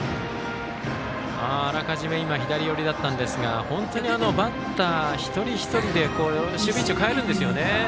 あらかじめ左寄りだったんですが本当にバッター、一人一人で守備位置を変えるんですよね。